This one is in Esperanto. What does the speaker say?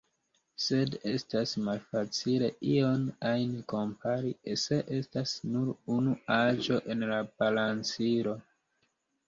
Sed estas malfacile ion ajn kompari, se estas nur unu aĵo en la balancilo.